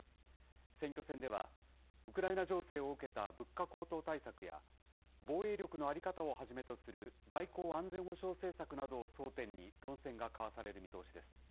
選挙戦では、ウクライナ情勢を受けた物価高騰対策や、防衛力の在り方をはじめとする外交・安全保障政策などを争点に、論戦が交わされる見通しです。